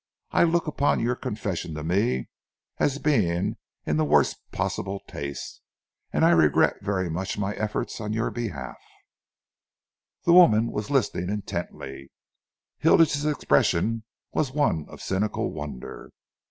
I look upon your confession to me as being in the worst possible taste, and I regret very much my efforts on your behalf." The woman was listening intently. Hilditch's expression was one of cynical wonder.